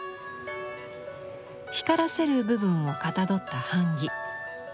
光らせる部分をかたどった版木。